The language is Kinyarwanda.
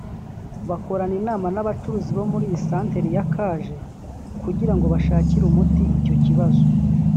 bakorana inama n’abacuruzi bo muri iyi santeri ya Kaje kugira ngo bashakire umuti icyo kibazo